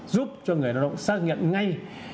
giúp cho người lao động xác nhận ngay